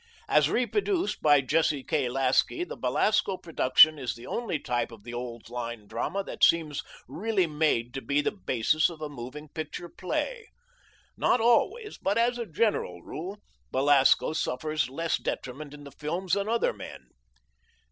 As reproduced by Jesse K. Lasky the Belasco production is the only type of the old line drama that seems really made to be the basis of a moving picture play. Not always, but as a general rule, Belasco suffers less detriment in the films than other men.